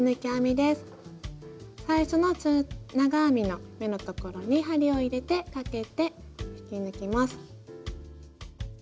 最初の中長編みの目のところに針を入れてかけて引き抜きます。